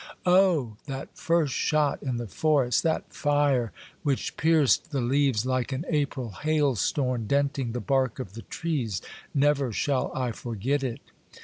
Oh ! that first shot in the forest, that fire which pierced the leaves like an April hail storm, denting the bark of the trees. Never shall I forget it.